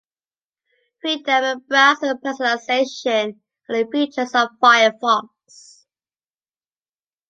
Freedom and browser personalization are the features of Firefox.